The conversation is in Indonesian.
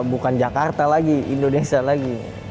bukan jakarta lagi indonesia lagi